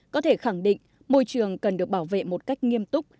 có thể khẳng định môi trường cần được bảo vệ một cách nghiêm túc